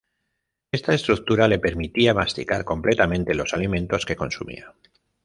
Esta estructura le permitía masticar completamente los alimentos que consumía.